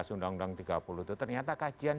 undang undang tiga puluh itu ternyata kajian